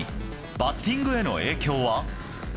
バッティングへの影響は。